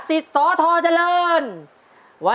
จิตตะสังวโรครับ